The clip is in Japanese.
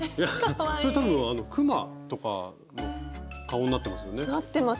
それ多分くまとかの顔になってますよね？